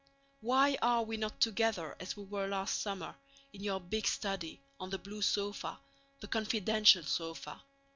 Why are we not together as we were last summer, in your big study, on the blue sofa, the confidential sofa?